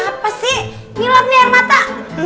apa sih ngilap nih air mata